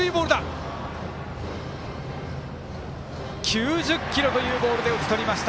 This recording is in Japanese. ９０キロというボールで打ち取りました。